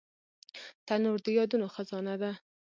تنور د یادونو خزانه ده